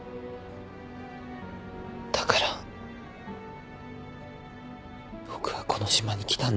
だから僕はこの島に来たんです。